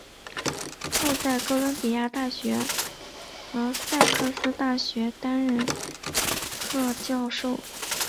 后在哥伦比亚大学和萨塞克斯大学担任客座教授。